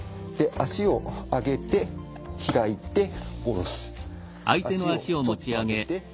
足をちょっと上げて開いて下ろす。